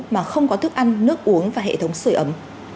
mà không có thức ăn nước uống và hệ thống sửa ấm